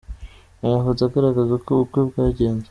Amafoto agaragaza uko ubukwe bwagenze :.